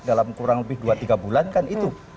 dalam kurang lebih dua tiga bulan kan itu